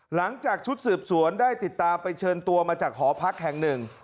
หลังจากชุดสืบสวนได้ติดตามไปเชิญตัวมาจากหอพักแห่งหนึ่ง